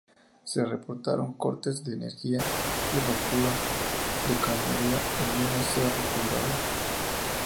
Se reportaron cortes de energía y rotura de cañerías en Mina Cerro Colorado.